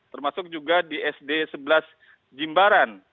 termasuk juga di sd sebelas jimbaran